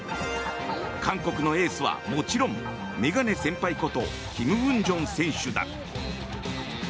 韓国のエースはもちろん眼鏡先輩ことキム・ウンジョン選手だ。